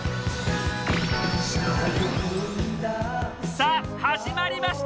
さあ始まりました！